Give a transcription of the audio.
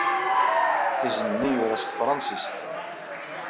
Izen-nni yura s tefṛensist.